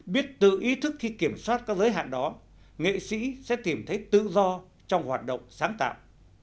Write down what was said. biết tự ý thức khi kiểm soát các giới hạn đó nghệ sĩ sẽ tìm thấy tự do trong hoạt động sáng tạo